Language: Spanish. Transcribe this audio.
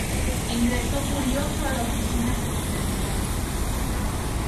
Ingresó furioso a la oficina presidencial.